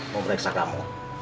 mau periksa kamu